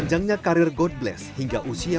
sampai akhirnya ada hampir